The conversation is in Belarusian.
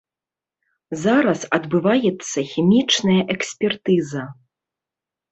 Зараз адбываецца хімічная экспертыза.